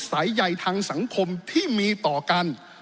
สายใหญ่ทางสังคมที่มีต่อกัน